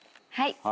はい。